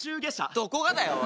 どこがだよおい。